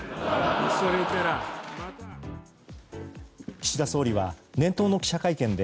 岸田総理は年頭の記者会見で